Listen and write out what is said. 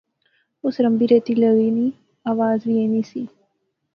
اس رمبی ریتی لغے نی آواز وی اینی سی